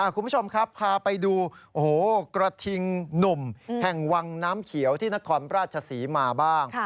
คุณผู้ชมครับพาไปดูกระทิงหนุ่มแห่งวังน้ำเขียวที่นครราชศรีมาบ้าง